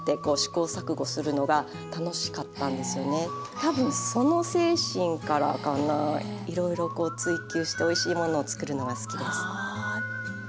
多分その精神からかなあいろいろこう追求しておいしいものを作るのが好きです。